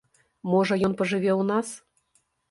Можна ён пажыве ў нас?